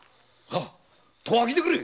戸を開けてくれ！